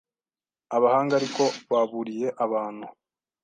Abahanga ariko baburiye abantu